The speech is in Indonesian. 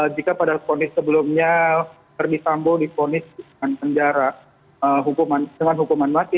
jika pada kondisi sebelumnya ferdi sambo diponis dengan penjara dengan hukuman mati